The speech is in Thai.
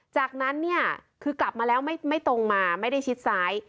จากนั้นเนี่ยคือกลับมาแล้วไม่ตรงมาไม่ได้ชิดซ้าย